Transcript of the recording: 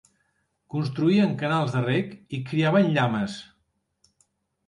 Construïen canals de reg i criaven llames.